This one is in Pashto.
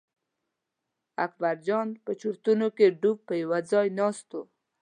اکبرجان په چورتونو کې ډوب په یوه ځای ناست و.